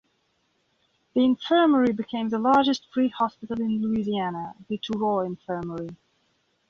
The infirmary became the largest free hospital in Louisiana, the Touro Infirmary.